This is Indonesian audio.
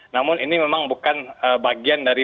namun ini memang bukan bagian dari